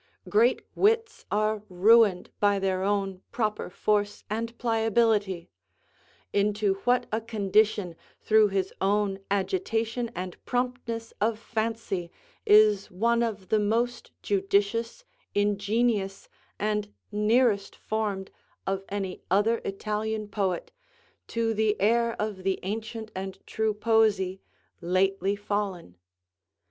Great wits are ruined by their own proper force and pliability; into what a condition, through his own agitation and promptness of fancy, is one of the most judicious, ingenious, and nearest formed, of any other Italian poet, to the air of the ancient and true poesy, lately fallen!